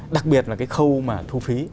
đặc biệt là cái khâu mà thu phí